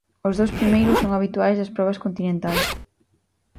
Os dous primeiros son habituais das probas continentais.